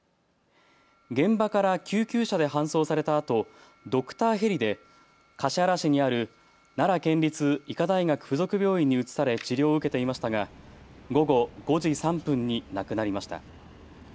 現場から救急車で搬送されたあとドクターヘリで橿原市にある奈良県立医科大学附属病院に移され治療を受けていましたが午後５時３分に亡くなりました。